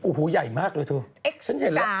โอ้โฮใหญ่มากเลย